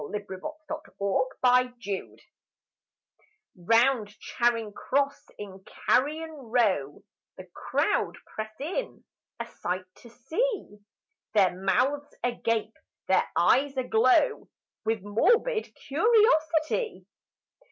Charing Cross 1916 Round Charing Cross in carrion row The crowd press in; a sight to see; Their mouths agape, their eyes aglow, With morbid curiosity.